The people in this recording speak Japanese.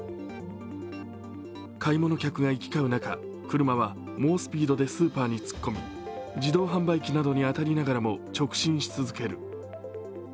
買い物客が行き交う中、車は猛スピードでスーパーに突っ込み自動販売機などに当たりながらも直進し続ける。